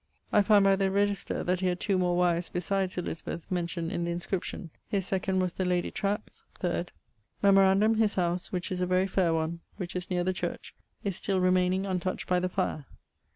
I find by the register that he had two more wives besides Elizabeth mentioned in the inscription; his second was the lady Trapps; third,.... Memorandum his house (which is a very faire one), which is neer the church, is still remayning untoucht by the fire.